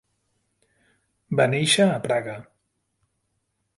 Va néixer a Praga.